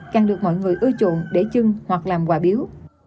càng được mọi người ưa chuộng để chưng hoặc làm quà biếu